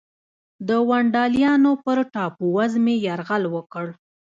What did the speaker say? ونډالیانو پر ټاپو وزمې یرغل وکړ.